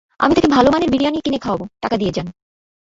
আমি তাকে ভালো মানের বিরিয়ানি কিনে খাওয়াবো, টাকা দিয়ে যান।